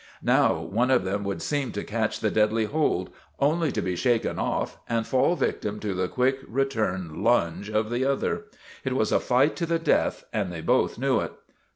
Now one of them would seem to catch the deadly hold, only to be shaken off and fall victim to the quick return lunge of the other. It was a fight to the death, and they both knew it.